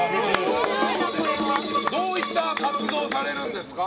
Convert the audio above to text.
どういった活動をされるんですか？